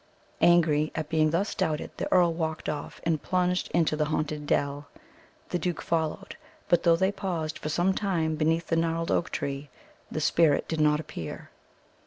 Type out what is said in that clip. Angry at being thus doubted, the earl walked off, and plunged into the haunted dell. The duke followed, but though they paused for some time beneath the gnarled oak tree, the spirit did not appear.